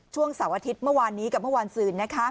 เสาร์อาทิตย์เมื่อวานนี้กับเมื่อวานศืน